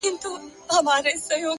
اخلاص د باور کلا ټینګوي،